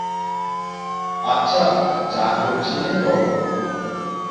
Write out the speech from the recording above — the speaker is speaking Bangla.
আচ্ছা, যা করছিলে করো!